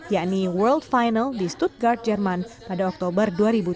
yakni world final di stuttgart jerman pada oktober dua ribu tujuh belas